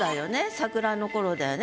桜の頃だよね。